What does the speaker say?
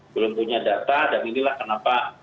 belum punya data dan inilah kenapa